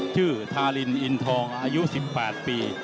ทารินอินทองอายุ๑๘ปี